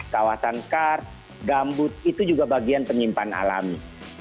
kawasan kar gambut itu juga bagian penyimpanan alami